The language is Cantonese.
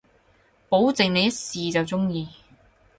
保證你一試就中意